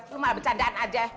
lu malah bercandaan aja